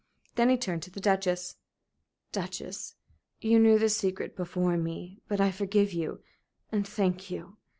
Then he turned to the Duchess. "Duchess, you knew this secret before me. But I forgive you, and thank you.